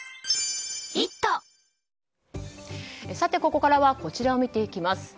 ここからはこちらを見ていきます。